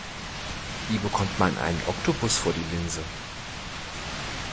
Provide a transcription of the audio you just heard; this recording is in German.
Wie bekommt man einen Oktopus vor die Linse?